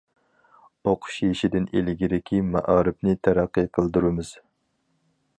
ئوقۇش يېشىدىن ئىلگىرىكى مائارىپنى تەرەققىي قىلدۇرىمىز.